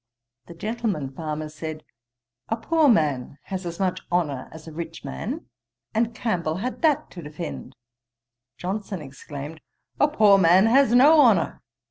The gentleman farmer said, 'A poor man has as much honour as a rich man; and Campbell had that to defend.' Johnson exclaimed, 'A poor man has no honour.'